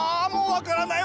分からない！